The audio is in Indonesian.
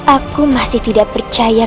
aku masih tidak percaya